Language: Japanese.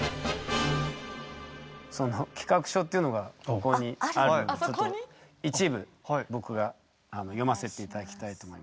その企画書っていうのがここにあるんでちょっと一部僕が読ませて頂きたいと思います。